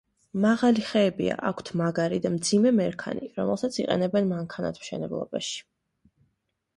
მაღალი ხეებია, აქვთ მაგარი და მძიმე მერქანი, რომელსაც იყენებენ მანქანათმშენებლობაში.